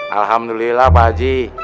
alhamdulillah pak haji